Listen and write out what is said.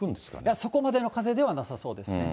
そこまでの風ではなさそうですね。